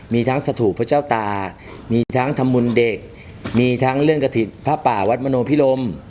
มีทั้งสธุพระเจ้าตามีทั้งธรรมุณเด็กมีทั้งเรื่องกะถิ่นผ้าป่าวัตถ์มโนพิลม